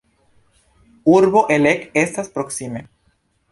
Urbo Elek estas proksime.